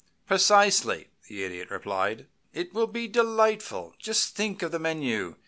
"Precisely," the Idiot replied. "It will be delightful. Just think of the menu!